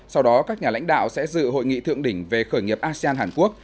sau đó các nhà lãnh đạo sẽ dự hội nghị thượng đỉnh về khởi nghiệp asean hàn quốc